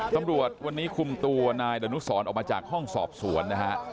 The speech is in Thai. ตำรวจวันนี้คุมตัวนายดนุสรออกมาจากห้องสอบสวนนะฮะ